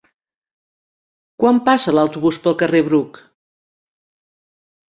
Quan passa l'autobús pel carrer Bruc?